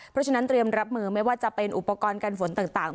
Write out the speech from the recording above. เพราะฉะนั้นเตรียมรับมือไม่ว่าจะเป็นอุปกรณ์การฝนต่าง